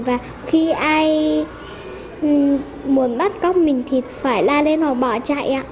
và khi ai muốn bắt cóc mình thì phải la lên hoặc bỏ chạy